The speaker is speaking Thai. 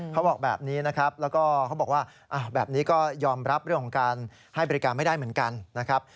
เขาบอกแบบนี้นะครับแล้วก็เขาบอกว่าแบบนี้ก็ยอมรับเรื่องของการให้บริการไม่ได้เหมือนกันนะครับ